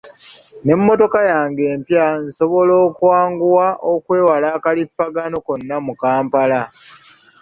N'emmotoka yange empya, nsobola okwanguwa okwewala akalipagano konna mu Kampala.